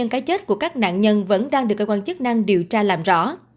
chết của các nạn nhân vẫn đang được cơ quan chức năng điều tra làm rõ